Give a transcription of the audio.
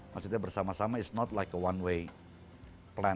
bukan seperti plan satu